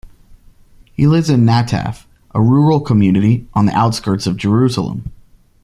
He lives in Nataf, a rural community, on the outskirts of Jerusalem.